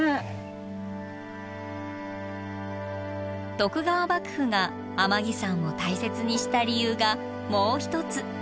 徳川幕府が天城山を大切にした理由がもう一つ。